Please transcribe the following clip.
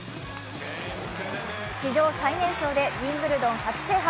史上最年少でウィンブルドン初制覇。